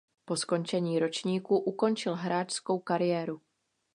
Po skončení ročníků ukončil hráčskou kariéru.